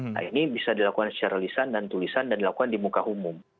nah ini bisa dilakukan secara lisan dan tulisan dan dilakukan di muka umum